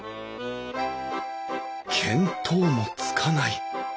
見当もつかない。